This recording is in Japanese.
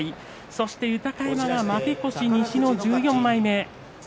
そして豊山は負け越し西の１４枚目。